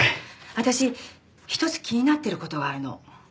私１つ気になってる事があるの。